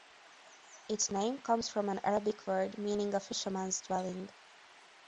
Its name comes from an Arabic word meaning "a fisherman's dwelling".